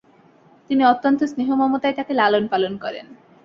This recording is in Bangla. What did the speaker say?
তিনি অত্যন্ত স্নেহ মমতায় তাকে লালন পালন করেন।